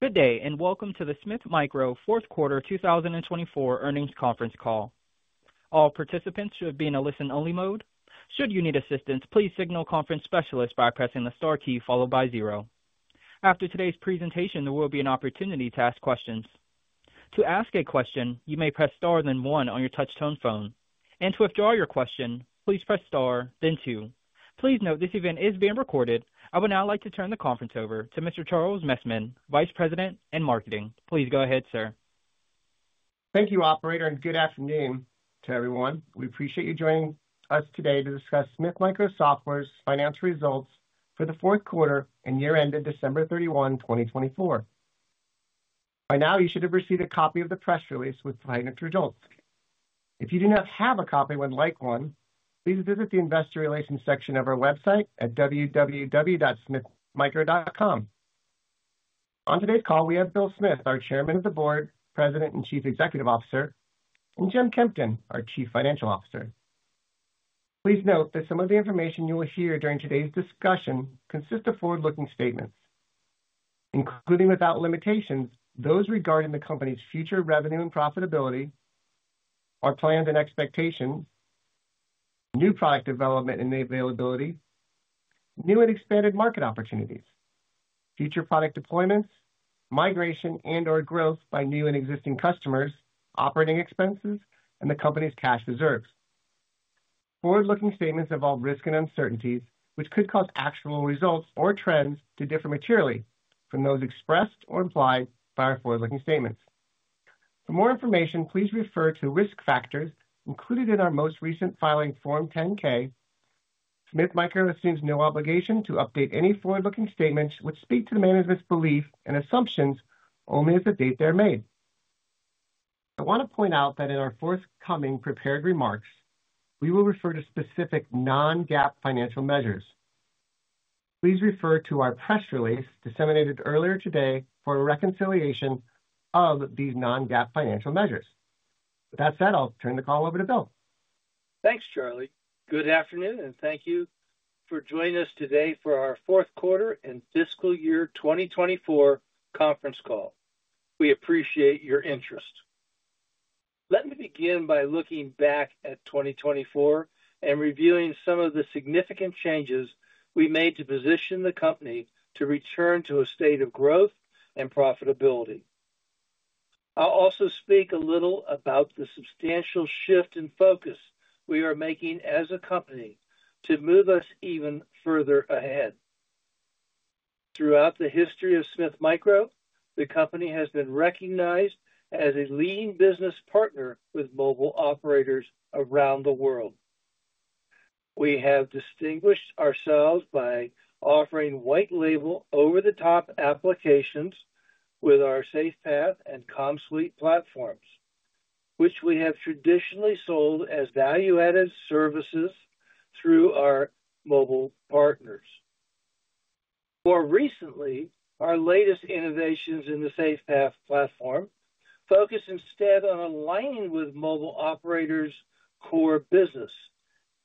Good day, and welcome to the Smith Micro Fourth Quarter 2024 Earnings Conference Call. All participants should be in a listen-only mode. Should you need assistance, please signal a conference specialist by pressing the star key followed by zero. After today's presentation, there will be an opportunity to ask questions. To ask a question, you may press star then one on your touch-tone phone. To withdraw your question, please press star, then two. Please note this event is being recorded. I would now like to turn the conference over to Mr. Charles Messman, Vice President and Marketing. Please go ahead, sir. Thank you, Operator, and good afternoon to everyone. We appreciate you joining us today to discuss Smith Micro Software's Financial Results for the Fourth Quarter and year-ended December 31, 2024. By now, you should have received a copy of the press release with the financial results. If you do not have a copy and would like one, please visit the investor relations section of our website at www.smithmicro.com. On today's call, we have Bill Smith, our Chairman of the Board, President and Chief Executive Officer, and Jim Kempton, our Chief Financial Officer. Please note that some of the information you will hear during today's discussion consists of forward-looking statements, including without limitations, those regarding the company's future revenue and profitability, our plans and expectations, new product development and availability, new and expanded market opportunities, future product deployments, migration and/or growth by new and existing customers, operating expenses, and the company's cash reserves. Forward-looking statements involve risk and uncertainties, which could cause actual results or trends to differ materially from those expressed or implied by our forward-looking statements. For more information, please refer to risk factors included in our most recent filing Form 10-K. Smith Micro assumes no obligation to update any forward-looking statements which speak to the management's belief and assumptions only as the date they're made. I want to point out that in our forthcoming prepared remarks, we will refer to specific non-GAAP financial measures. Please refer to our press release disseminated earlier today for a reconciliation of these non-GAAP financial measures. With that said, I'll turn the call over to Bill. Thanks, Charlie. Good afternoon, and thank you for joining us today for our fourth quarter and fiscal year 2024 conference call. We appreciate your interest. Let me begin by looking back at 2024 and revealing some of the significant changes we made to position the company to return to a state of growth and profitability. I'll also speak a little about the substantial shift in focus we are making as a company to move us even further ahead. Throughout the history of Smith Micro, the company has been recognized as a leading business partner with mobile operators around the world. We have distinguished ourselves by offering white-label over-the-top applications with our SafePath and CommSuite platforms, which we have traditionally sold as value-added services through our mobile partners. More recently, our latest innovations in the SafePath platform focus instead on aligning with mobile operators' core business,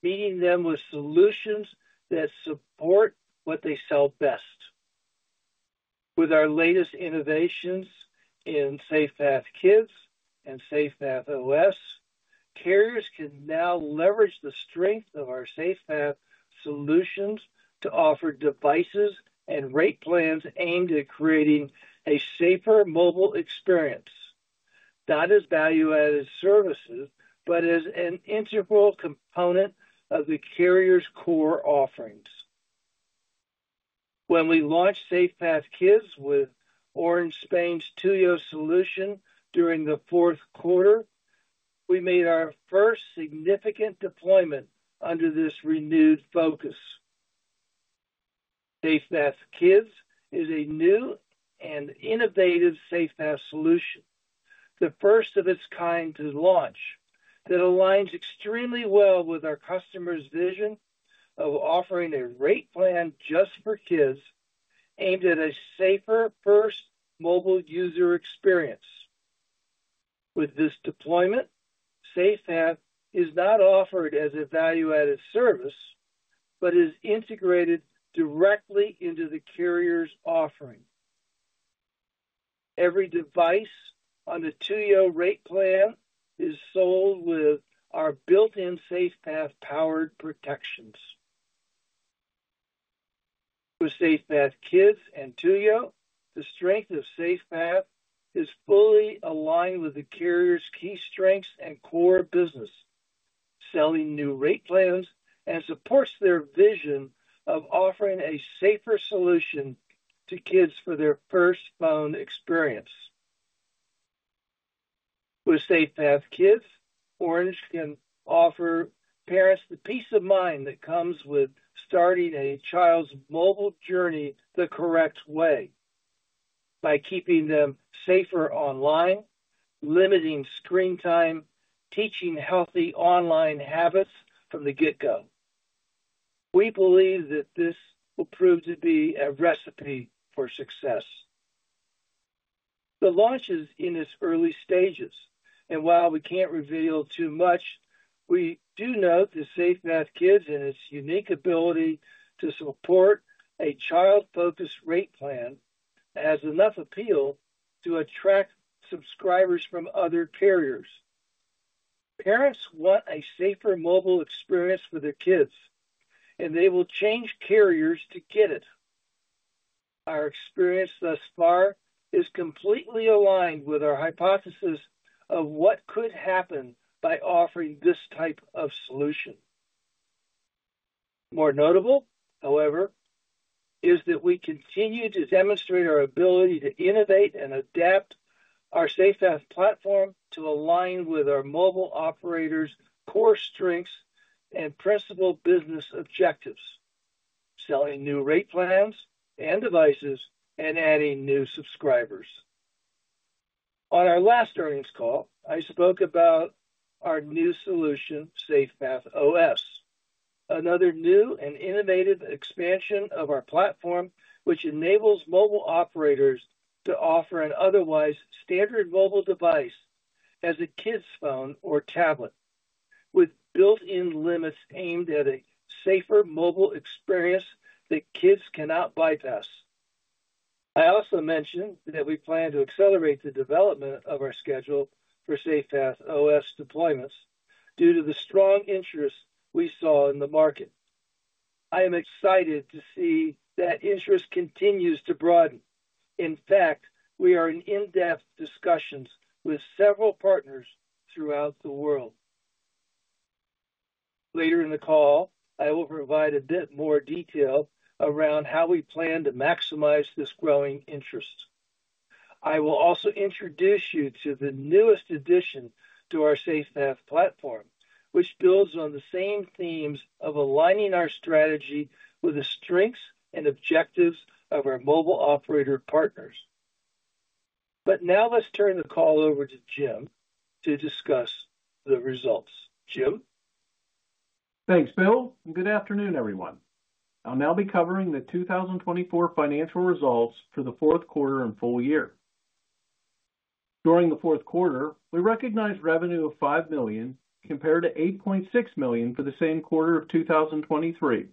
meeting them with solutions that support what they sell best. With our latest innovations in SafePath Kids and SafePath OS, carriers can now leverage the strength of our SafePath solutions to offer devices and rate plans aimed at creating a safer mobile experience. Not as value-added services, but as an integral component of the carrier's core offerings. When we launched SafePath Kids with Orange Spain's TúYo solution during the fourth quarter, we made our first significant deployment under this renewed focus. SafePath Kids is a new and innovative SafePath solution, the first of its kind to launch, that aligns extremely well with our customer's vision of offering a rate plan just for kids aimed at a safer first mobile user experience. With this deployment, SafePath is not offered as a value-added service, but is integrated directly into the carrier's offering. Every device on the TúYo rate plan is sold with our built-in SafePath-powered protections. With SafePath Kids and TúYo, the strength of SafePath is fully aligned with the carrier's key strengths and core business, selling new rate plans and supports their vision of offering a safer solution to kids for their first phone experience. With SafePath Kids, Orange can offer parents the peace of mind that comes with starting a child's mobile journey the correct way by keeping them safer online, limiting screen time, teaching healthy online habits from the get-go. We believe that this will prove to be a recipe for success. The launch is in its early stages, and while we can't reveal too much, we do note that SafePath Kids and its unique ability to support a child-focused rate plan has enough appeal to attract subscribers from other carriers. Parents want a safer mobile experience for their kids, and they will change carriers to get it. Our experience thus far is completely aligned with our hypothesis of what could happen by offering this type of solution. More notable, however, is that we continue to demonstrate our ability to innovate and adapt our SafePath platform to align with our mobile operators' core strengths and principal business objectives, selling new rate plans and devices and adding new subscribers. On our last earnings call, I spoke about our new solution, SafePath OS, another new and innovative expansion of our platform which enables mobile operators to offer an otherwise standard mobile device as a kid's phone or tablet, with built-in limits aimed at a safer mobile experience that kids cannot bypass. I also mentioned that we plan to accelerate the development of our schedule for SafePath OS deployments due to the strong interest we saw in the market. I am excited to see that interest continues to broaden. In fact, we are in in-depth discussions with several partners throughout the world. Later in the call, I will provide a bit more detail around how we plan to maximize this growing interest. I will also introduce you to the newest addition to our SafePath platform, which builds on the same themes of aligning our strategy with the strengths and objectives of our mobile operator partners. Now let's turn the call over to Jim to discuss the results. Jim? Thanks, Bill, and good afternoon, everyone. I'll now be covering the 2024 financial results for the fourth quarter and full year. During the fourth quarter, we recognized revenue of $5 million compared to $8.6 million for the same quarter of 2023,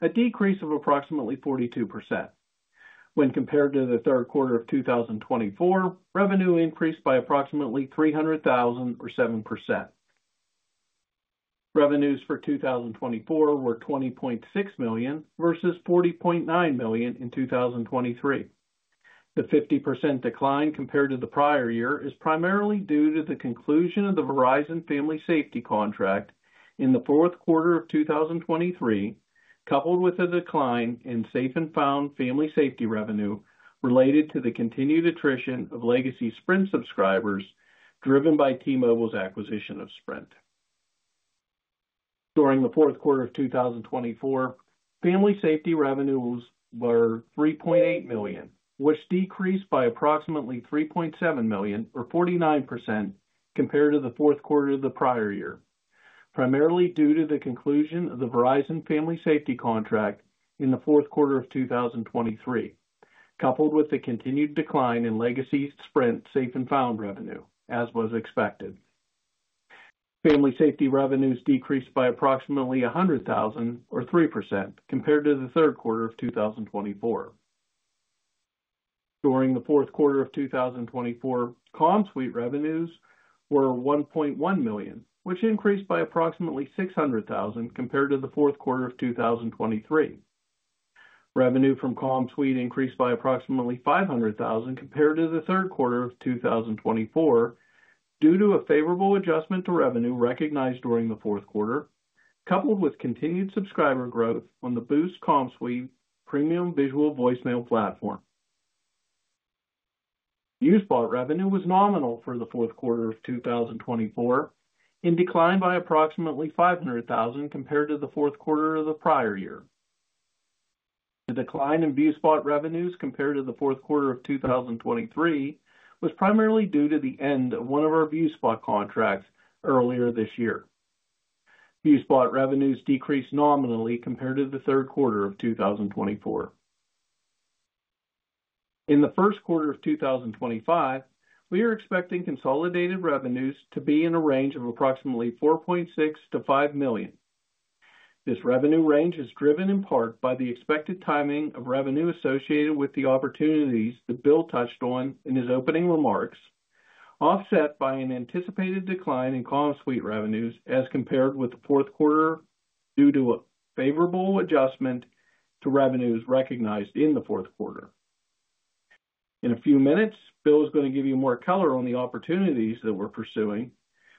a decrease of approximately 42%. When compared to the third quarter of 2024, revenue increased by approximately $300,000 or 7%. Revenues for 2024 were $20.6 million versus $40.9 million in 2023. The 50% decline compared to the prior year is primarily due to the conclusion of the Verizon family safety contract in the fourth quarter of 2023, coupled with a decline in Safe & Found family safety revenue related to the continued attrition of Legacy Sprint subscribers driven by T-Mobile's acquisition of Sprint. During the fourth quarter of 2024, family safety revenues were $3.8 million, which decreased by approximately $3.7 million or 49% compared to the fourth quarter of the prior year, primarily due to the conclusion of the Verizon family safety contract in the fourth quarter of 2023, coupled with the continued decline in Legacy Sprint Safe & Found revenue, as was expected. Family safety revenues decreased by approximately $100,000 or 3% compared to the third quarter of 2024. During the fourth quarter of 2024, CommSuite revenues were $1.1 million, which increased by approximately $600,000 compared to the fourth quarter of 2023. Revenue from CommSuite increased by approximately $500,000 compared to the third quarter of 2024 due to a favorable adjustment to revenue recognized during the fourth quarter, coupled with continued subscriber growth on the Boost CommSuite premium Visual Voicemail platform. ViewSpot revenue was nominal for the fourth quarter of 2024 and declined by approximately $500,000 compared to the fourth quarter of the prior year. The decline in ViewSpot revenues compared to the fourth quarter of 2023 was primarily due to the end of one of our ViewSpot contracts earlier this year. ViewSpot revenues decreased nominally compared to the third quarter of 2024. In the first quarter of 2025, we are expecting consolidated revenues to be in a range of approximately $4.6 million-$5 million. This revenue range is driven in part by the expected timing of revenue associated with the opportunities that Bill touched on in his opening remarks, offset by an anticipated decline in CommSuite revenues as compared with the fourth quarter due to a favorable adjustment to revenues recognized in the fourth quarter. In a few minutes, Bill is going to give you more color on the opportunities that we're pursuing,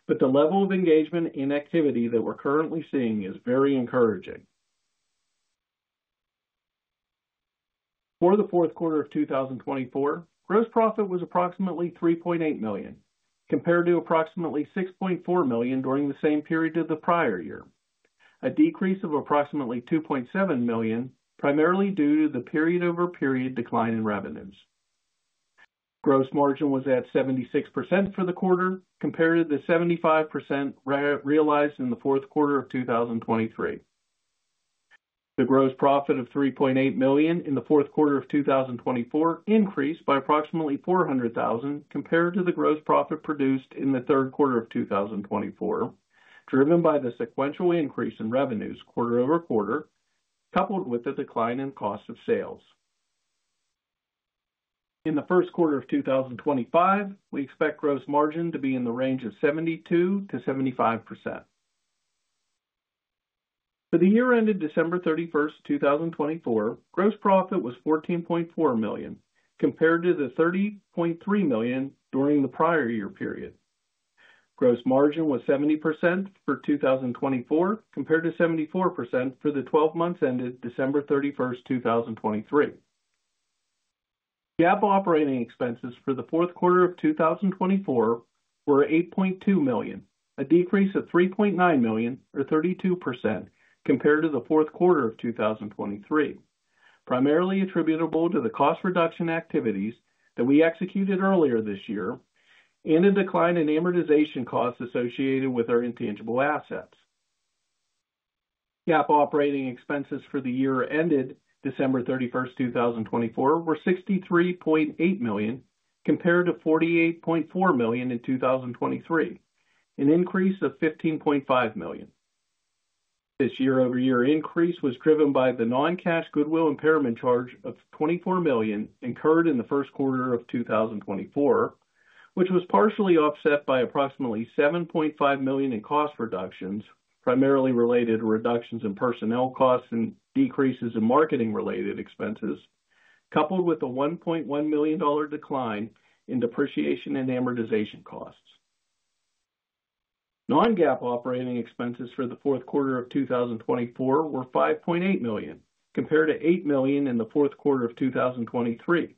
but the level of engagement and activity that we're currently seeing is very encouraging. For the fourth quarter of 2024, gross profit was approximately $3.8 million compared to approximately $6.4 million during the same period of the prior year, a decrease of approximately $2.7 million primarily due to the period-over-period decline in revenues. Gross margin was at 76% for the quarter compared to the 75% realized in the fourth quarter of 2023. The gross profit of $3.8 million in the fourth quarter of 2024 increased by approximately $400,000 compared to the gross profit produced in the third quarter of 2024, driven by the sequential increase in revenues quarter over quarter, coupled with the decline in cost of sales. In the first quarter of 2025, we expect gross margin to be in the range of 72%-75%. For the year ended December 31, 2024, gross profit was $14.4 million compared to the $30.3 million during the prior year period. Gross margin was 70% for 2024 compared to 74% for the 12 months ended December 31, 2023. GAAP operating expenses for the fourth quarter of 2024 were $8.2 million, a decrease of $3.9 million or 32% compared to the fourth quarter of 2023, primarily attributable to the cost reduction activities that we executed earlier this year and a decline in amortization costs associated with our intangible assets. GAAP operating expenses for the year ended December 31, 2024, were $63.8 million compared to $48.4 million in 2023, an increase of $15.5 million. This year-over-year increase was driven by the non-cash goodwill impairment charge of $24 million incurred in the first quarter of 2024, which was partially offset by approximately $7.5 million in cost reductions, primarily related to reductions in personnel costs and decreases in marketing-related expenses, coupled with a $1.1 million decline in depreciation and amortization costs. Non-GAAP operating expenses for the fourth quarter of 2024 were $5.8 million compared to $8 million in the fourth quarter of 2023,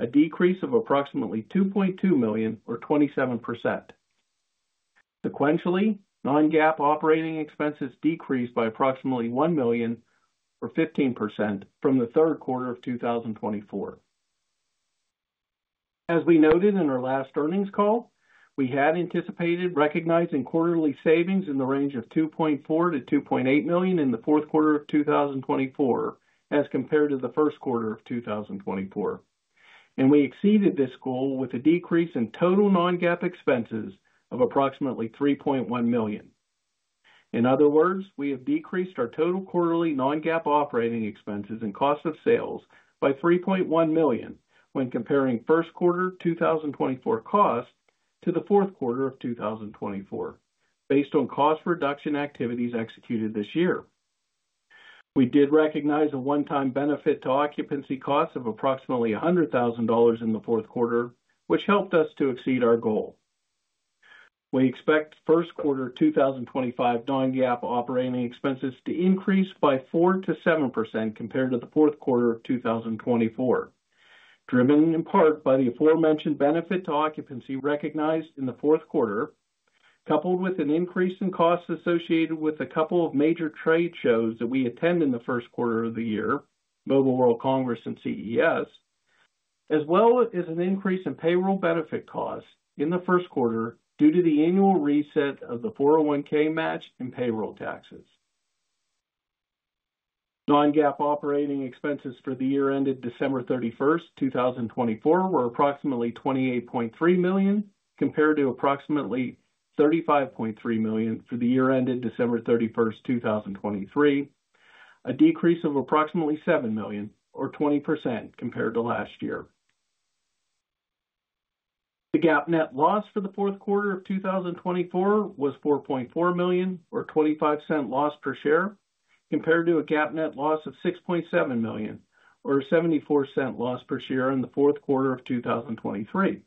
a decrease of approximately $2.2 million or 27%. Sequentially, non-GAAP operating expenses decreased by approximately $1 million or 15% from the third quarter of 2024. As we noted in our last earnings call, we had anticipated recognizing quarterly savings in the range of $2.4 million-$2.8 million in the fourth quarter of 2024 as compared to the first quarter of 2024, and we exceeded this goal with a decrease in total non-GAAP expenses of approximately $3.1 million. In other words, we have decreased our total quarterly non-GAAP operating expenses and cost of sales by $3.1 million when comparing first quarter 2024 costs to the fourth quarter of 2024, based on cost reduction activities executed this year. We did recognize a one-time benefit to occupancy costs of approximately $100,000 in the fourth quarter, which helped us to exceed our goal. We expect first quarter 2025 non-GAAP operating expenses to increase by 4%-7% compared to the fourth quarter of 2024, driven in part by the aforementioned benefit to occupancy recognized in the fourth quarter, coupled with an increase in costs associated with a couple of major trade shows that we attend in the first quarter of the year, Mobile World Congress and CES, as well as an increase in payroll benefit costs in the first quarter due to the Annual Reset of the 401(k) match and payroll taxes. Non-GAAP operating expenses for the year ended December 31, 2024, were approximately $28.3 million compared to approximately $35.3 million for the year ended December 31, 2023, a decrease of approximately $7 million or 20% compared to last year. The GAAP net loss for the fourth quarter of 2024 was $4.4 million or $0.25 loss per share compared to a GAAP net loss of $6.7 million or $0.74 loss per share in the fourth quarter of 2023.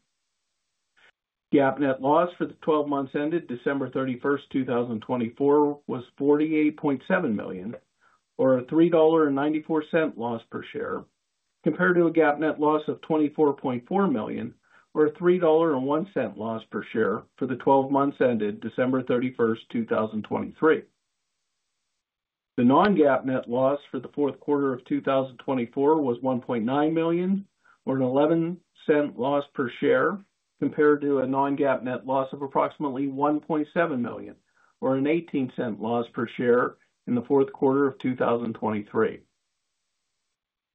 GAAP net loss for the 12 months ended December 31, 2024, was $48.7 million or a $3.94 loss per share compared to a GAAP net loss of $24.4 million or a $3.01 loss per share for the 12 months ended December 31, 2023. The non-GAAP net loss for the fourth quarter of 2024 was $1.9 million or a $0.11 loss per share compared to a non-GAAP net loss of approximately $1.7 million or a $0.18 loss per share in the fourth quarter of 2023.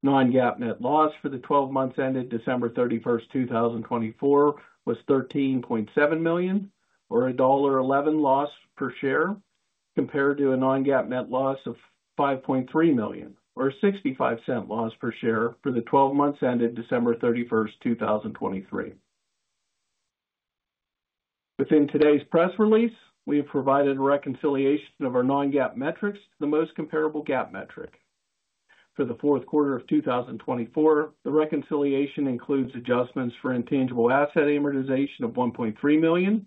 Non-GAAP net loss for the 12 months ended December 31, 2024, was $13.7 million or a $1.11 loss per share compared to a non-GAAP net loss of $5.3 million or a $0.65 loss per share for the 12 months ended December 31, 2023. Within today's press release, we have provided a reconciliation of our non-GAAP metrics to the most comparable GAAP metric. For the fourth quarter of 2024, the reconciliation includes adjustments for intangible asset amortization of $1.3 million,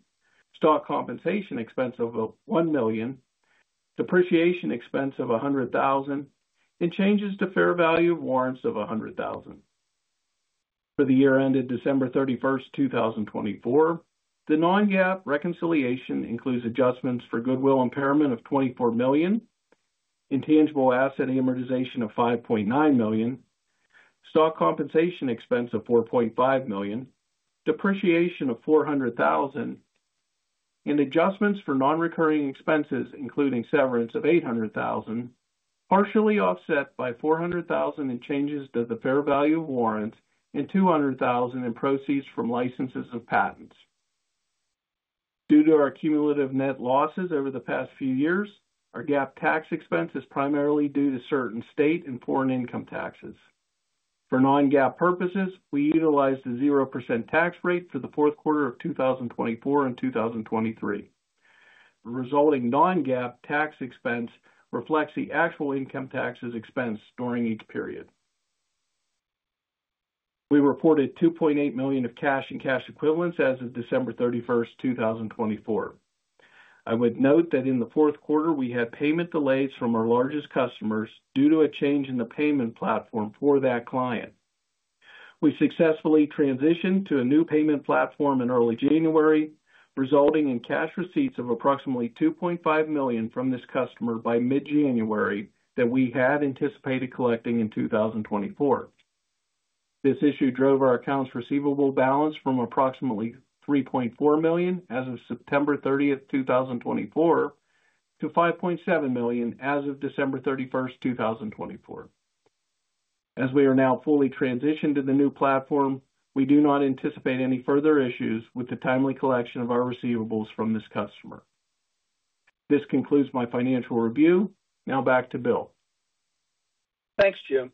stock compensation expense of $1 million, depreciation expense of $100,000, and changes to fair value of warrants of $100,000. For the year ended December 31, 2024, the non-GAAP reconciliation includes adjustments for goodwill impairment of $24 million, intangible asset amortization of $5.9 million, stock compensation expense of $4.5 million, depreciation of $400,000, and adjustments for non-recurring expenses, including severance of $800,000, partially offset by $400,000 in changes to the fair value of warrants and $200,000 in proceeds from licenses of patents. Due to our cumulative net losses over the past few years, our GAAP tax expense is primarily due to certain state and foreign income taxes. For non-GAAP purposes, we utilized a 0% tax rate for the fourth quarter of 2024 and 2023. The resulting non-GAAP tax expense reflects the actual income taxes expense during each period. We reported $2.8 million of cash and cash equivalents as of December 31, 2024. I would note that in the fourth quarter, we had payment delays from our largest customers due to a change in the payment platform for that client. We successfully transitioned to a new payment platform in early January, resulting in cash receipts of approximately $2.5 million from this customer by mid-January that we had anticipated collecting in 2024. This issue drove our accounts receivable balance from approximately $3.4 million as of September 30th, 2024, to $5.7 million as of December 31st, 2024. As we are now fully transitioned to the new platform, we do not anticipate any further issues with the timely collection of our receivables from this customer. This concludes my financial review. Now back to Bill. Thanks, Jim.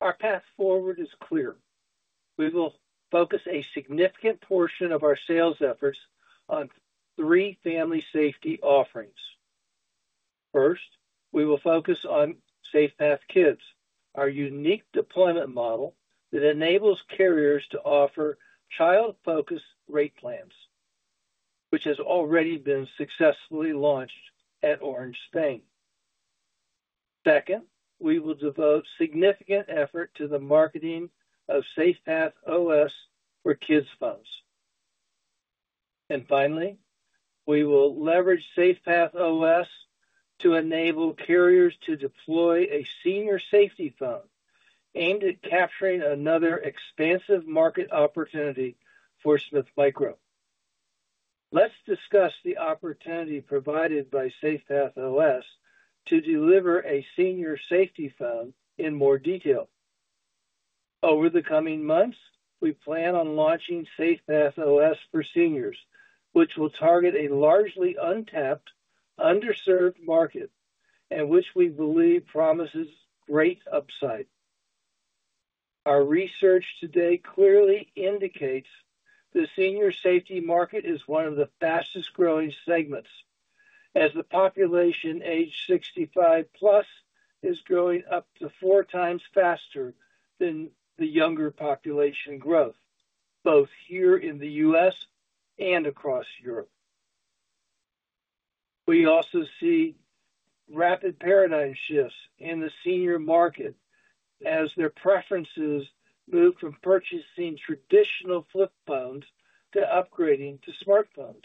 Our path forward is clear. We will focus a significant portion of our sales efforts on three family safety offerings. First, we will focus on SafePath Kids, our unique deployment model that enables carriers to offer child-focused rate plans, which has already been successfully launched at Orange Spain. Second, we will devote significant effort to the marketing of SafePath OS for kids' phones. Finally, we will leverage SafePath OS to enable carriers to deploy a senior safety phone aimed at capturing another expansive market opportunity for Smith Micro. Let's discuss the opportunity provided by SafePath OS to deliver a senior safety phone in more detail. Over the coming months, we plan on launching SafePath OS for seniors, which will target a largely untapped, underserved market and which we believe promises great upside. Our research today clearly indicates the senior safety market is one of the fastest-growing segments, as the population aged 65+ is growing up to four times faster than the younger population growth, both here in the U.S. and across Europe. We also see rapid paradigm shifts in the senior market as their preferences move from purchasing traditional flip phones to upgrading to smartphones.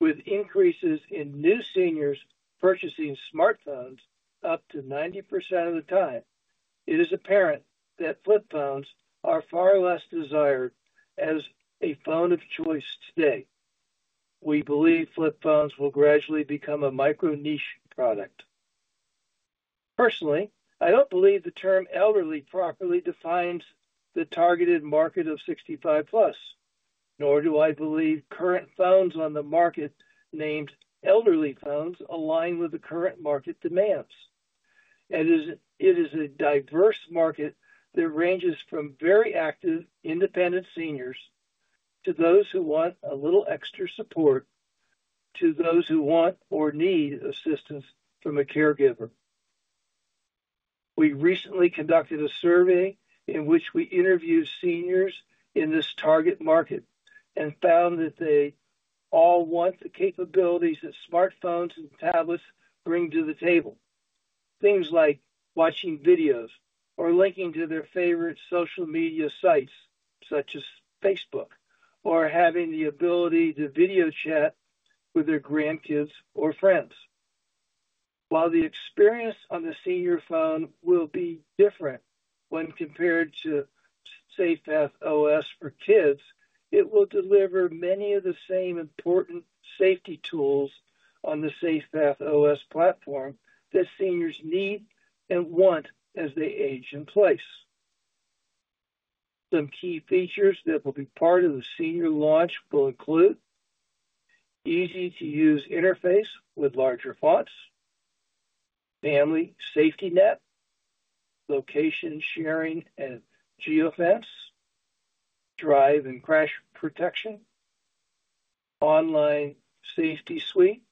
With increases in new seniors purchasing smartphones up to 90% of the time, it is apparent that flip phones are far less desired as a phone of choice today. We believe flip phones will gradually become a micro-niche product. Personally, I don't believe the term elderly properly defines the targeted market of 65+, nor do I believe current phones on the market named elderly phones align with the current market demands. It is a diverse market that ranges from very active independent seniors to those who want a little extra support to those who want or need assistance from a caregiver. We recently conducted a survey in which we interviewed seniors in this target market and found that they all want the capabilities that smartphones and tablets bring to the table, things like watching videos or linking to their favorite social media sites such as Facebook or having the ability to video chat with their grandkids or friends. While the experience on the senior phone will be different when compared to SafePath OS for kids, it will deliver many of the same important safety tools on the SafePath OS platform that seniors need and want as they age in place. Some key features that will be part of the senior launch will include an easy-to-use interface with larger fonts, family safety net, location sharing and geofence, drive and crash protection, online safety suite,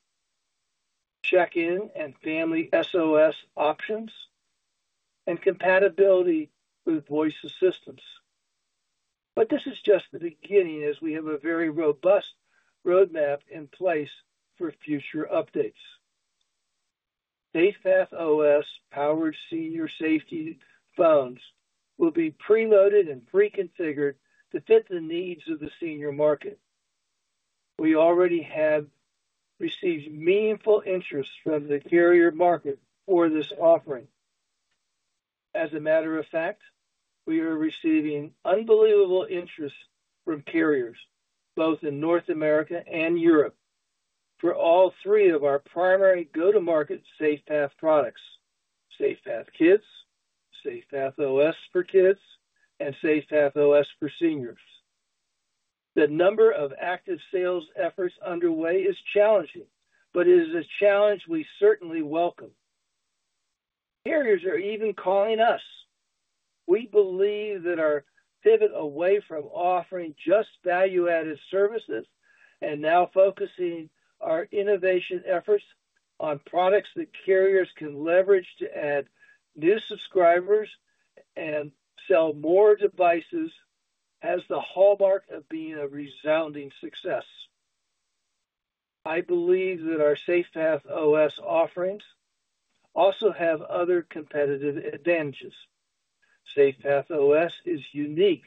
check-in and family SOS options, and compatibility with voice assistants. This is just the beginning, as we have a very robust roadmap in place for future updates. SafePath OS-powered senior safety phones will be preloaded and pre-configured to fit the needs of the senior market. We already have received meaningful interest from the carrier market for this offering. As a matter of fact, we are receiving unbelievable interest from carriers both in North America and Europe for all three of our primary go-to-market SafePath products: SafePath Kids, SafePath OS for kids, and SafePath OS for seniors. The number of active sales efforts underway is challenging, but it is a challenge we certainly welcome. Carriers are even calling us. We believe that our pivot away from offering just value-added services and now focusing our innovation efforts on products that carriers can leverage to add new subscribers and sell more devices has the hallmark of being a resounding success. I believe that our SafePath OS offerings also have other competitive advantages. SafePath OS is unique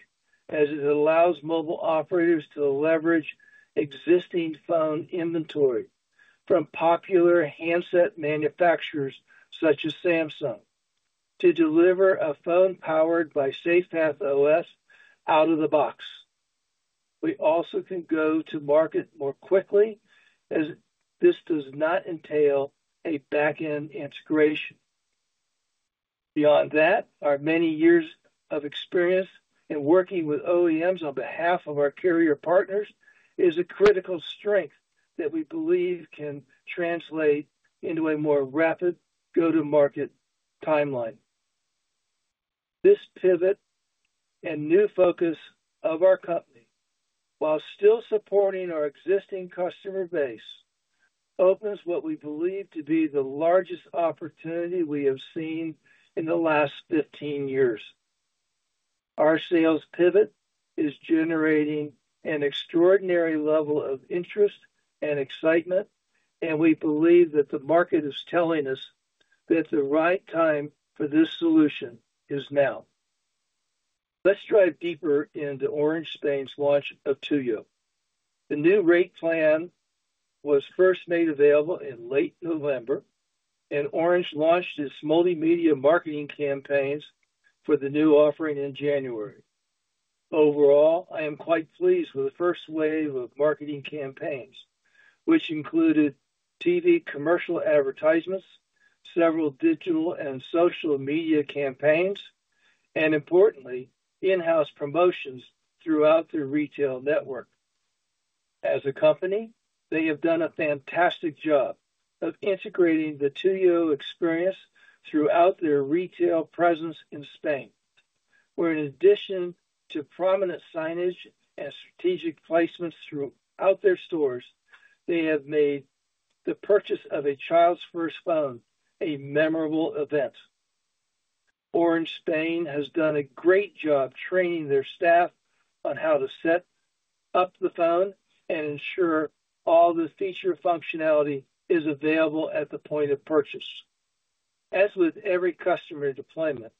as it allows mobile operators to leverage existing phone inventory from popular handset manufacturers such as Samsung to deliver a phone powered by SafePath OS out of the box. We also can go to market more quickly as this does not entail a back-end integration. Beyond that, our many years of experience in working with OEMs on behalf of our carrier partners is a critical strength that we believe can translate into a more rapid go-to-market timeline. This pivot and new focus of our company, while still supporting our existing customer base, opens what we believe to be the largest opportunity we have seen in the last 15 years. Our sales pivot is generating an extraordinary level of interest and excitement, and we believe that the market is telling us that the right time for this solution is now. Let's dive deeper into Orange Spain's launch of TúYo. The new rate plan was first made available in late November, and Orange launched its multimedia marketing campaigns for the new offering in January. Overall, I am quite pleased with the first wave of marketing campaigns, which included TV commercial advertisements, several digital and social media campaigns, and importantly, in-house promotions throughout their retail network. As a company, they have done a fantastic job of integrating the TúYo experience throughout their retail presence in Spain, where in addition to prominent signage and strategic placements throughout their stores, they have made the purchase of a child's first phone a memorable event. Orange Spain has done a great job training their staff on how to set up the phone and ensure all the feature functionality is available at the point of purchase. As with every customer deployment,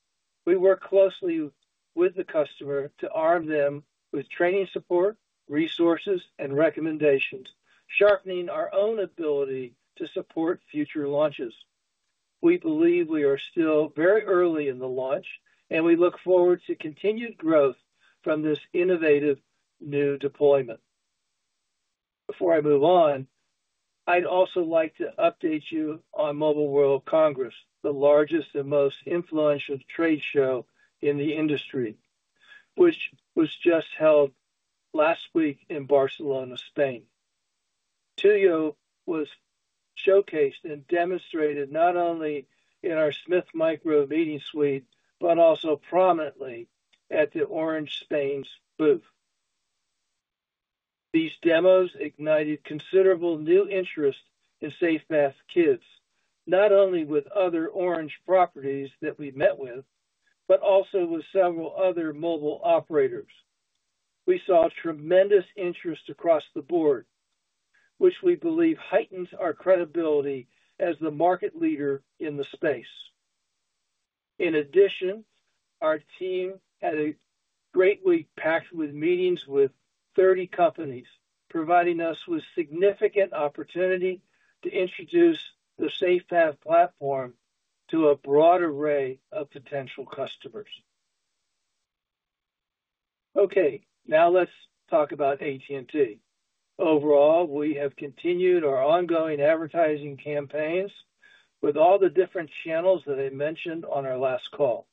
we work closely with the customer to arm them with training support, resources, and recommendations, sharpening our own ability to support future launches. We believe we are still very early in the launch, and we look forward to continued growth from this innovative new deployment. Before I move on, I'd also like to update you on Mobile World Congress, the largest and most influential trade show in the industry, which was just held last week in Barcelona, Spain. TúYo was showcased and demonstrated not only in our Smith Micro meeting suite, but also prominently at the Orange Spain booth. These demos ignited considerable new interest in SafePath Kids, not only with other Orange properties that we met with, but also with several other mobile operators. We saw tremendous interest across the board, which we believe heightens our credibility as the market leader in the space. In addition, our team had a great week packed with meetings with 30 companies, providing us with significant opportunity to introduce the SafePath platform to a broad array of potential customers. Okay, now let's talk about AT&T. Overall, we have continued our ongoing advertising campaigns with all the different channels that I mentioned on our last call.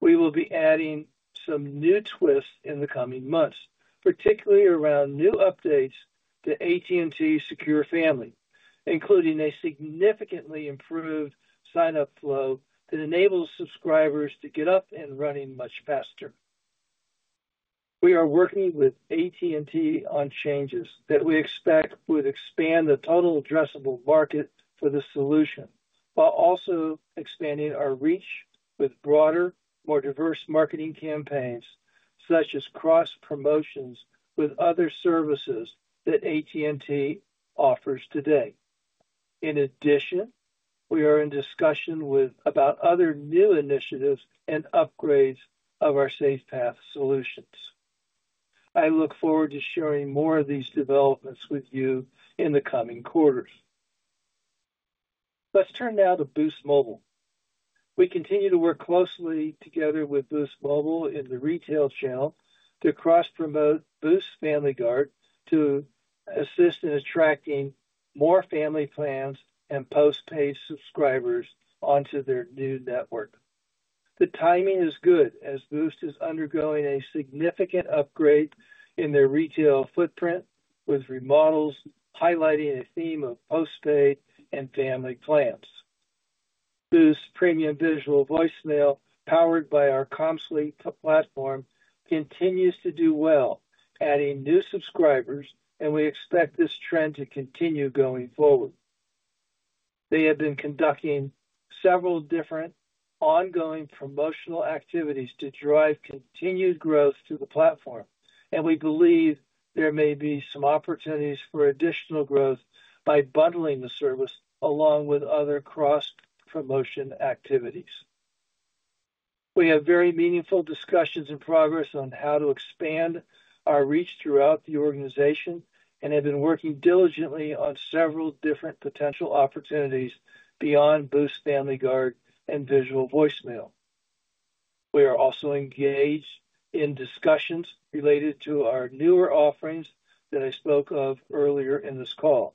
We will be adding some new twists in the coming months, particularly around new updates to AT&T Secure Family, including a significantly improved signup flow that enables subscribers to get up and running much faster. We are working with AT&T on changes that we expect would expand the total addressable market for the solution, while also expanding our reach with broader, more diverse marketing campaigns such as cross-promotions with other services that AT&T offers today. In addition, we are in discussion about other new initiatives and upgrades of our SafePath solutions. I look forward to sharing more of these developments with you in the coming quarters. Let's turn now to Boost Mobile. We continue to work closely together with Boost Mobile in the retail channel to cross-promote Boost Family Guard to assist in attracting more family plans and postpaid subscribers onto their new network. The timing is good as Boost is undergoing a significant upgrade in their retail footprint, with remodels highlighting a theme of postpaid and family plans. Boost's premium digital voicemail, powered by our CommSuite platform, continues to do well, adding new subscribers, and we expect this trend to continue going forward. They have been conducting several different ongoing promotional activities to drive continued growth to the platform, and we believe there may be some opportunities for additional growth by bundling the service along with other cross-promotion activities. We have very meaningful discussions in progress on how to expand our reach throughout the organization and have been working diligently on several different potential opportunities beyond Boost Family Guard and digital voicemail. We are also engaged in discussions related to our newer offerings that I spoke of earlier in this call.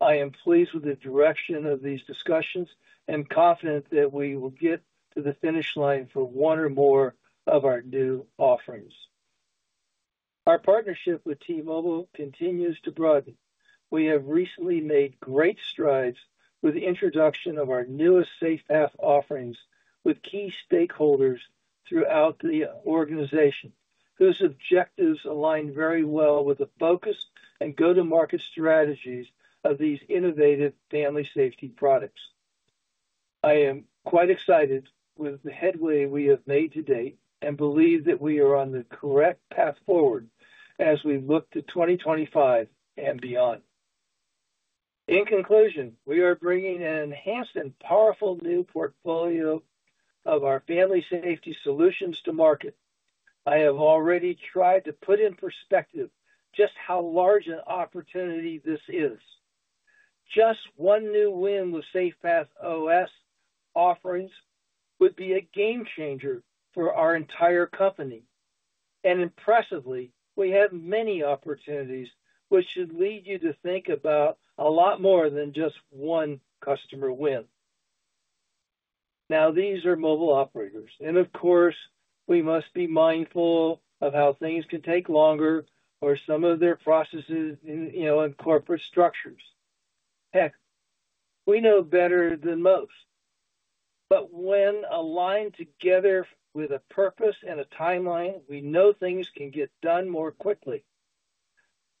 I am pleased with the direction of these discussions and confident that we will get to the finish line for one or more of our new offerings. Our partnership with T-Mobile continues to broaden. We have recently made great strides with the introduction of our newest SafePath offerings with key stakeholders throughout the organization. Those objectives align very well with the focus and go-to-market strategies of these innovative family safety products. I am quite excited with the headway we have made to date and believe that we are on the correct path forward as we look to 2025 and beyond. In conclusion, we are bringing an enhanced and powerful new portfolio of our family safety solutions to market. I have already tried to put in perspective just how large an opportunity this is. Just one new win with SafePath OS offerings would be a game changer for our entire company. Impressively, we have many opportunities, which should lead you to think about a lot more than just one customer win. Now, these are mobile operators, and of course, we must be mindful of how things can take longer or some of their processes in, you know, in corporate structures. Heck, we know better than most. When aligned together with a purpose and a timeline, we know things can get done more quickly.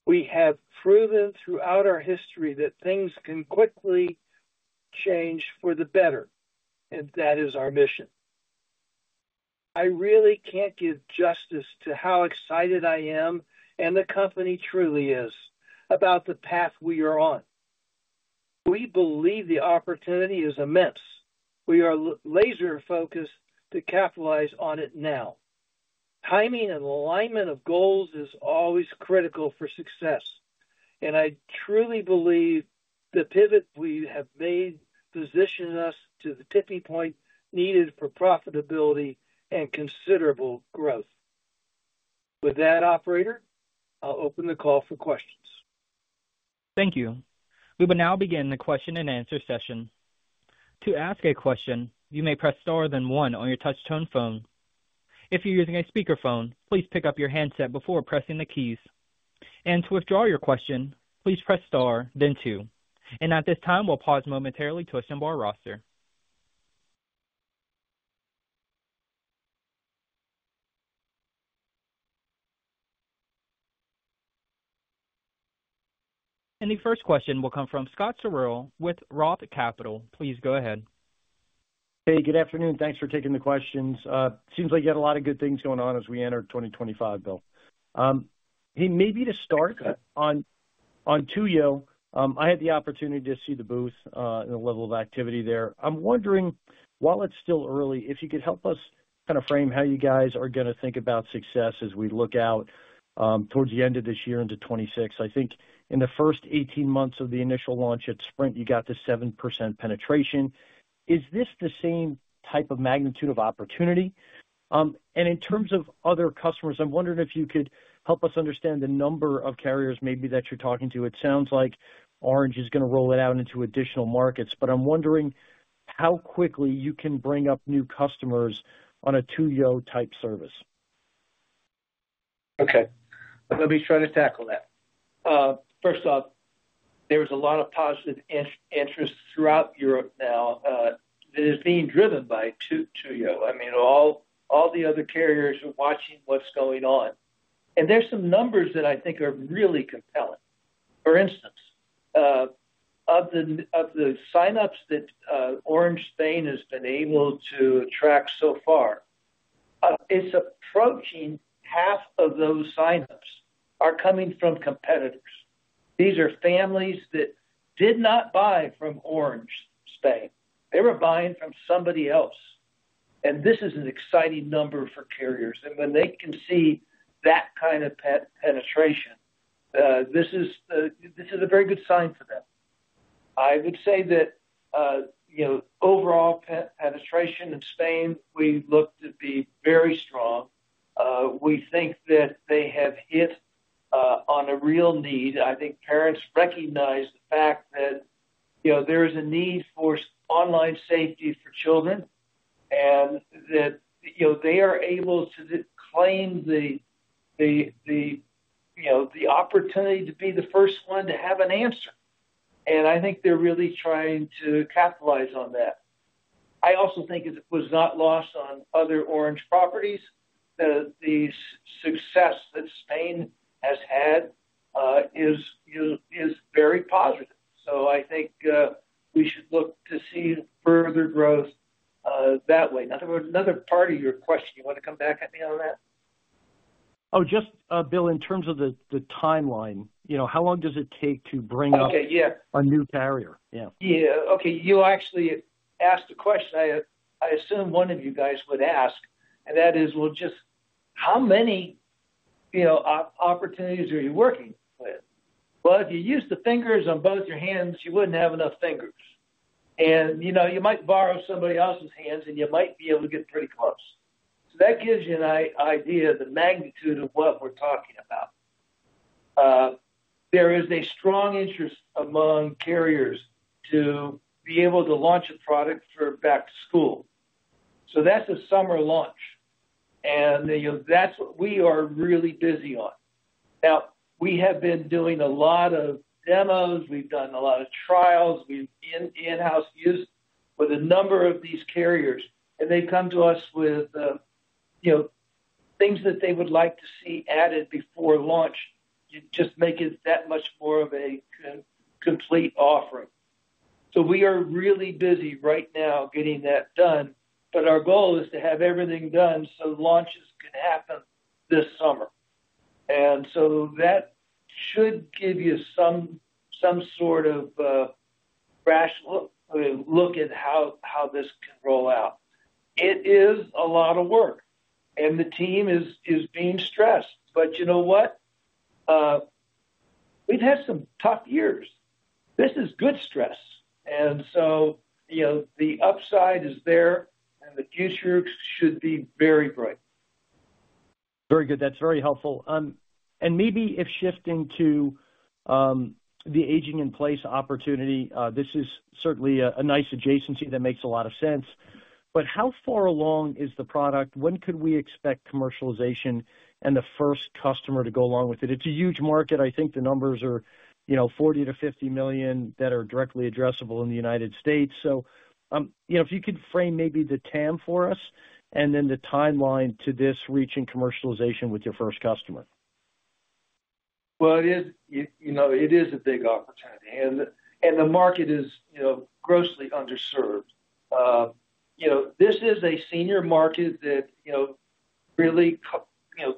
We have proven throughout our history that things can quickly change for the better, and that is our mission. I really cannot give justice to how excited I am and the company truly is about the path we are on. We believe the opportunity is immense. We are laser-focused to capitalize on it now. Timing and alignment of goals is always critical for success, and I truly believe the pivot we have made positions us to the tipping point needed for profitability and considerable growth. With that, operator, I will open the call for questions. Thank you. We will now begin the question and answer session. To ask a question, you may press star then one on your touch-tone phone. If you're using a speakerphone, please pick up your handset before pressing the keys. To withdraw your question, please press star, then two. At this time, we'll pause momentarily to assemble our roster. The first question will come from Scott Searle with Roth Capital. Please go ahead. Hey, good afternoon. Thanks for taking the questions. Seems like you had a lot of good things going on as we enter 2025, Bill. Hey, maybe to start on TúYo, I had the opportunity to see the booth and the level of activity there. I'm wondering, while it's still early, if you could help us kind of frame how you guys are going to think about success as we look out towards the end of this year into 2026. I think in the first 18 months of the initial launch at Sprint, you got to 7% penetration. Is this the same type of magnitude of opportunity? In terms of other customers, I'm wondering if you could help us understand the number of carriers maybe that you're talking to. It sounds like Orange is going to roll it out into additional markets. I'm wondering how quickly you can bring up new customers on a TúYo type service. Okay. Let me try to tackle that. First off, there was a lot of positive interest throughout Europe now that is being driven by TúYo. I mean, all the other carriers are watching what's going on. There are some numbers that I think are really compelling. For instance, of the signups that Orange Spain has been able to attract so far, it's approaching half of those signups are coming from competitors. These are families that did not buy from Orange Spain. They were buying from somebody else. This is an exciting number for carriers. When they can see that kind of penetration, this is a very good sign for them. I would say that overall penetration in Spain, we look to be very strong. We think that they have hit on a real need. I think parents recognize the fact that there is a need for online safety for children and that they are able to claim the opportunity to be the first one to have an answer. I think they are really trying to capitalize on that. I also think it was not lost on other Orange properties that the success that Spain has had is very positive. I think we should look to see further growth that way. Another part of your question, you want to come back at me on that? Oh, just, Bill, in terms of the timeline, how long does it take to bring up a new carrier? Yeah. Yeah. Okay. You actually asked a question I assume one of you guys would ask, and that is, well, just how many opportunities are you working with? If you used the fingers on both your hands, you would not have enough fingers. You might borrow somebody else's hands, and you might be able to get pretty close. That gives you an idea of the magnitude of what we are talking about. There is a strong interest among carriers to be able to launch a product for back to school. That is a summer launch. That is what we are really busy on. Now, we have been doing a lot of demos. We have done a lot of trials. We've in-house used with a number of these carriers, and they've come to us with things that they would like to see added before launch just makes it that much more of a complete offering. We are really busy right now getting that done, but our goal is to have everything done so launches can happen this summer. That should give you some sort of rational look at how this can roll out. It is a lot of work, and the team is being stressed. You know what? We've had some tough years. This is good stress. The upside is there, and the future should be very bright. Very good. That's very helpful. Maybe if shifting to the aging-in-place opportunity, this is certainly a nice adjacency that makes a lot of sense. How far along is the product? When could we expect commercialization and the first customer to go along with it? It's a huge market. I think the numbers are 40 million-50 million that are directly addressable in the United States. If you could frame maybe the TAM for us and then the timeline to this reaching commercialization with your first customer. It is a big opportunity, and the market is grossly underserved. This is a senior market that really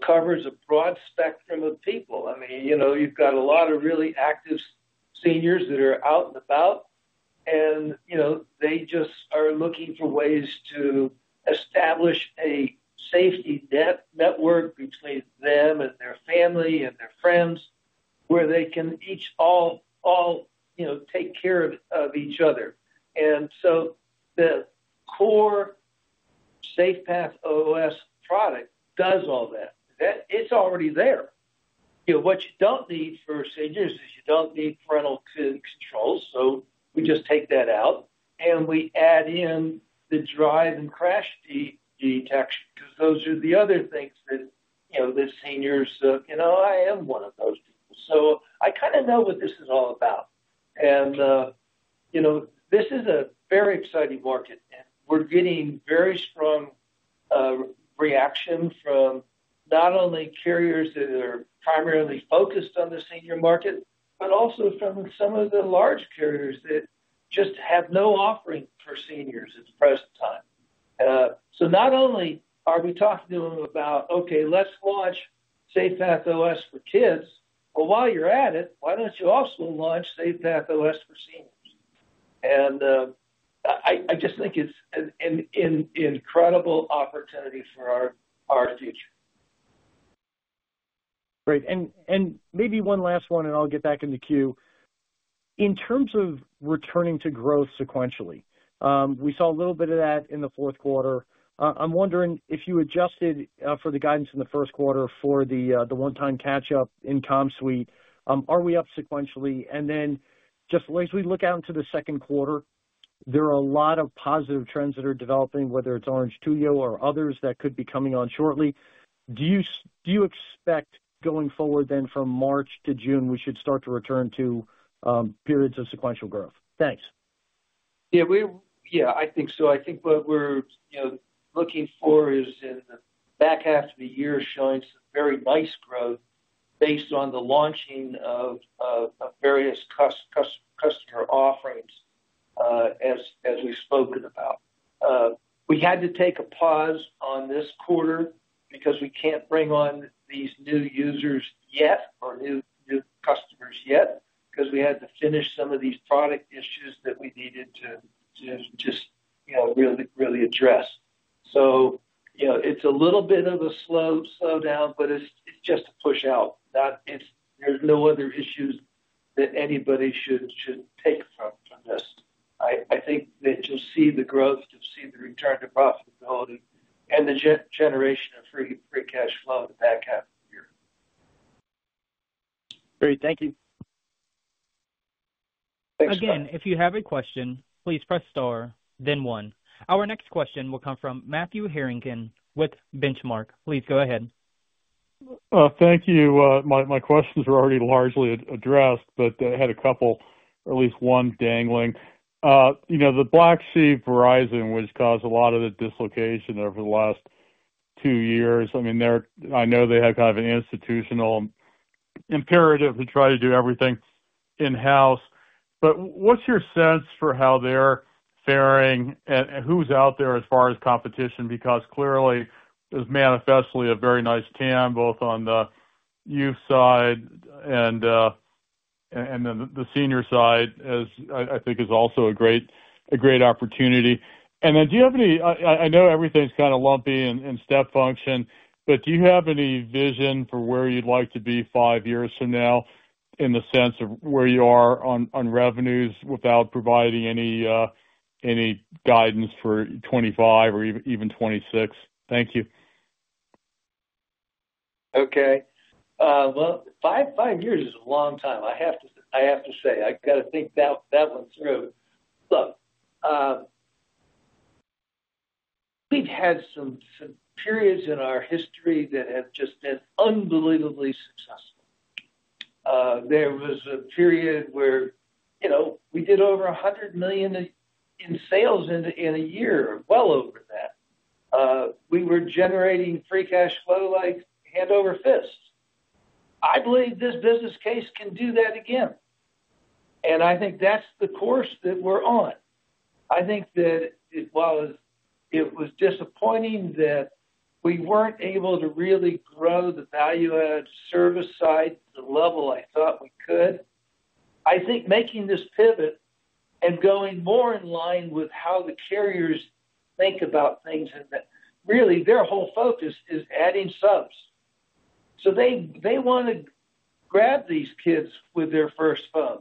covers a broad spectrum of people. I mean, you've got a lot of really active seniors that are out and about, and they just are looking for ways to establish a safety network between them and their family and their friends where they can each all take care of each other. The core SafePath OS product does all that. It's already there. What you do not need for seniors is you do not need parental controls, so we just take that out, and we add in the drive and crash detection because those are the other things that the seniors look, "I am one of those people." I kind of know what this is all about. This is a very exciting market, and we are getting very strong reaction from not only carriers that are primarily focused on the senior market, but also from some of the large carriers that just have no offering for seniors at the present time. Not only are we talking to them about, "Okay, let's launch SafePath OS for kids," but while you are at it, why do you not also launch SafePath OS for seniors? I just think it is an incredible opportunity for our future. Great. Maybe one last one, and I'll get back in the queue. In terms of returning to growth sequentially, we saw a little bit of that in the fourth quarter. I'm wondering if you adjusted for the guidance in the first quarter for the one-time catch-up in CommSuite. Are we up sequentially? Just as we look out into the second quarter, there are a lot of positive trends that are developing, whether it's Orange, TúYo, or others that could be coming on shortly. Do you expect going forward then from March to June, we should start to return to periods of sequential growth? Thanks. Yeah, I think so. I think what we're looking for is in the back half of the year showing some very nice growth based on the launching of various customer offerings as we've spoken about. We had to take a pause on this quarter because we can't bring on these new users yet or new customers yet because we had to finish some of these product issues that we needed to just really address. It is a little bit of a slowdown, but it is just a push out. There is no other issues that anybody should take from this. I think that you will see the growth, you will see the return to profitability, and the generation of free cash flow in the back half of the year. Great. Thank you. Thanks, Bill. Again, if you have a question, please press star, then one. Our next question will come from Matthew Harrigan with Benchmark. Please go ahead. Thank you. My questions were already largely addressed, but I had a couple, or at least one dangling. The Verizon would cause a lot of the dislocation over the last two years. I mean, I know they have kind of an institutional imperative to try to do everything in-house. What's your sense for how they're faring and who's out there as far as competition? Because clearly, there's manifestly a very nice TAM both on the youth side and then the senior side, I think, is also a great opportunity. Do you have any—I know everything's kind of lumpy in step function—but do you have any vision for where you'd like to be five years from now in the sense of where you are on revenues without providing any guidance for 2025 or even 2026? Thank you. Okay. Five years is a long time. I have to say. I got to think that one through. Look, we've had some periods in our history that have just been unbelievably successful. There was a period where we did over $100 million in sales in a year, well over that. We were generating free cash flow like hand over fist. I believe this business case can do that again. I think that's the course that we're on. I think that it was disappointing that we weren't able to really grow the value-added service side to the level I thought we could. I think making this pivot and going more in line with how the carriers think about things and that really their whole focus is adding subs. They want to grab these kids with their first phone.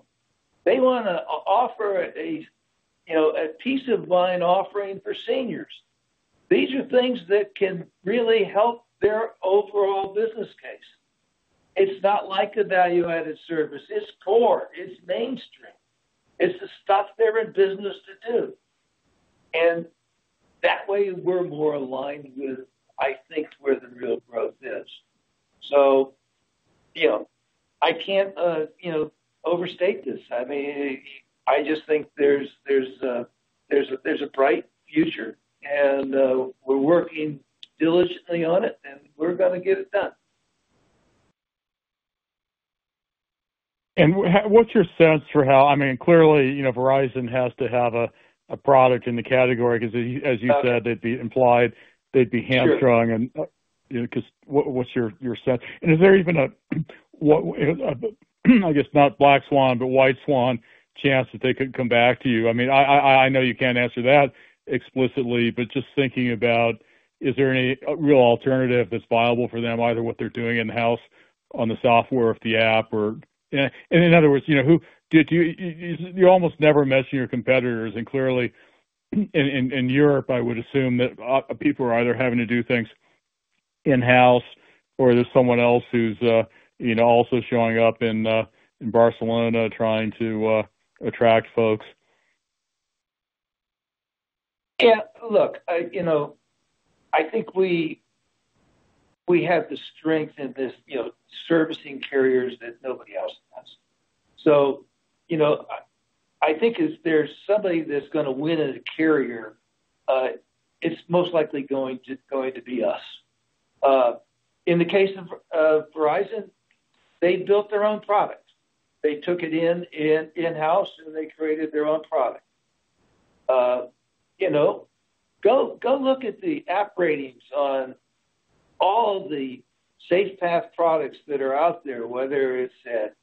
They want to offer a peace of mind offering for seniors. These are things that can really help their overall business case. It's not like a value-added service. It's core. It's mainstream. It's a stop there in business to do. In that way, we're more aligned with, I think, where the real growth is. I can't overstate this. I mean, I just think there's a bright future, and we're working diligently on it, and we're going to get it done. What's your sense for how—I mean, clearly, Verizon has to have a product in the category because, as you said, they'd be implied, they'd be hamstrung. What's your sense? Is there even a, I guess, not black swan, but white swan chance that they could come back to you? I mean, I know you can't answer that explicitly, but just thinking about, is there any real alternative that's viable for them, either what they're doing in-house on the software or the app? In other words, you almost never mention your competitors. Clearly, in Europe, I would assume that people are either having to do things in-house or there's someone else who's also showing up in Barcelona trying to attract folks. Yeah. Look, I think we have the strength in this servicing carriers that nobody else has. I think if there's somebody that's going to win as a carrier, it's most likely going to be us. In the case of Verizon, they built their own product. They took it in-house, and they created their own product. Go look at the app ratings on all the SafePath products that are out there, whether it's at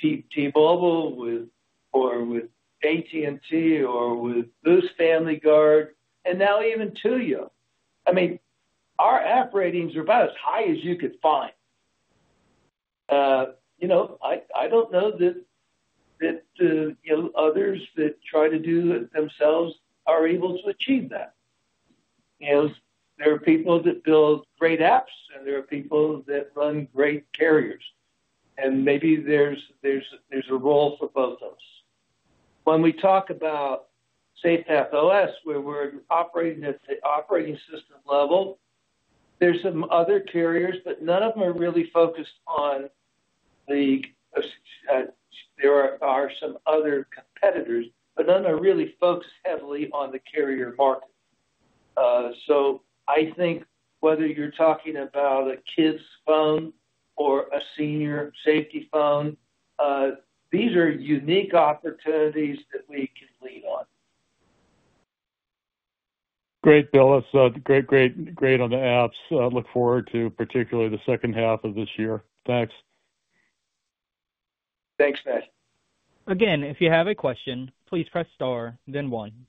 T-Mobile or with AT&T or with Boost Family Guard and now even TúYo. I mean, our app ratings are about as high as you could find. I don't know that others that try to do it themselves are able to achieve that. There are people that build great apps, and there are people that run great carriers. Maybe there's a role for both of us. When we talk about SafePath OS, where we're operating at the operating system level, there are some other carriers, but none of them are really focused on the—there are some other competitors, but none are really focused heavily on the carrier market. I think whether you're talking about a kid's phone or a senior safety phone, these are unique opportunities that we can lean on. Great, Bill. That's great on the apps. Look forward to particularly the second half of this year. Thanks. Thanks, Matt. Again, if you have a question, please press star, then one.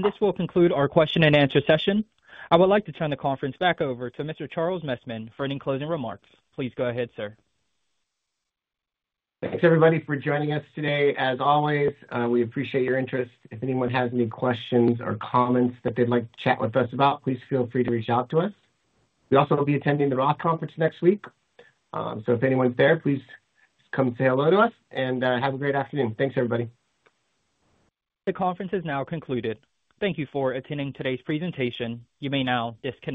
This will conclude our question and answer session. I would like to turn the conference back over to Mr. Charles Messman for any closing remarks. Please go ahead, sir. Thanks, everybody, for joining us today. As always, we appreciate your interest. If anyone has any questions or comments that they'd like to chat with us about, please feel free to reach out to us. We also will be attending the Roth conference next week. If anyone's there, please come say hello to us and have a great afternoon. Thanks, everybody. The conference is now concluded. Thank you for attending today's presentation. You may now disconnect.